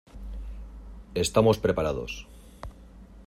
Estamos preparados.